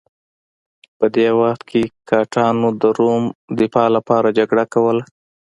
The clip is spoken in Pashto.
په دې وخت کې ګاټانو د روم دفاع لپاره جګړه کوله